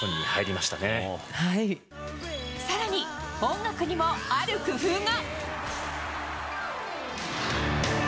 更に、音楽にもある工夫が。